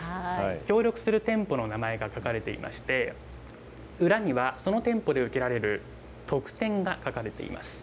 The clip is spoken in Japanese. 協力する店舗の名前が書かれていまして、裏にはその店舗で受けられる特典が書かれています。